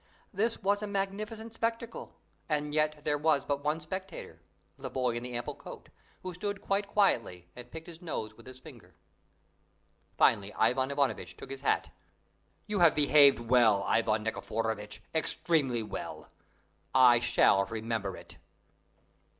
This was a magnificent spectacle: and yet there was but one spectator; the boy in the ample coat, who stood quite quietly and picked his nose with his finger. Finally Ivan Ivanovitch took his hat. "You have behaved well, Ivan Nikiforovitch, extremely well! I shall remember it."